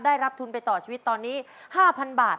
ได้รับทุนไปต่อชีวิตตอนนี้๕๐๐๐บาท